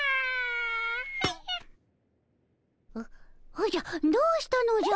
おじゃどうしたのじゃ？